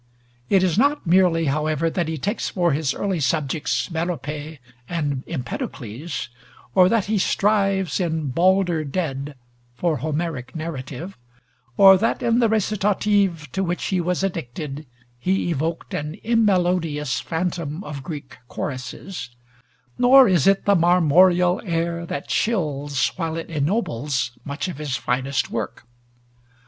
It is not merely, however, that he takes for his early subjects Merope and Empedocles, or that he strives in 'Balder Dead' for Homeric narrative, or that in the recitative to which he was addicted he evoked an immelodious phantom of Greek choruses; nor is it the "marmoreal air" that chills while it ennobles much of his finest work.